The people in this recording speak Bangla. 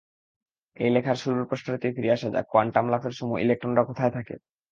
এই লেখার শুরুর প্রশ্নটিতে ফিরে আসা যাক, কোয়ান্টাম লাফের সময় ইলেকট্রনরা কোথায় থাকে।